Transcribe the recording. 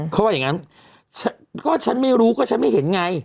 เขาว่าอย่างนั้นก็ฉันไม่รู้ก็ฉันไม่เห็นไง